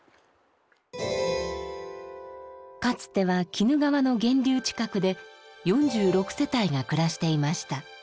かつては鬼怒川の源流近くで４６世帯が暮らしていました。